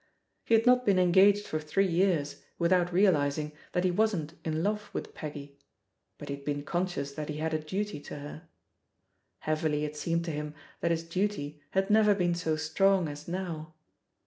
He had not been engaged for three years without realising that he wasn't in love with Peggy; but he had been conscious that he had a duty to her. Heavily it seemed to him that his duty had never been so strong as now.